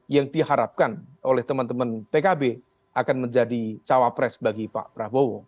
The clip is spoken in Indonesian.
yang diharapkan oleh teman teman pkb akan menjadi cawapres bagi pak prabowo